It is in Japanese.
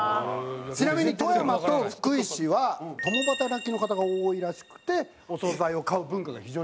ちなみに富山と福井市は共働きの方が多いらしくてお総菜を買う文化が非常に。